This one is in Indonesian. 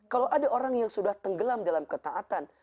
kalau ada orang yang sudah tenggelam dalam ketaatan